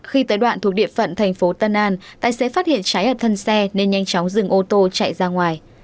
khi tới đoạn thuộc địa phận thành phố tân an tài xế phát hiện cháy ở thân xe nên nhanh chóng dừng ô tô chạy ra ngoài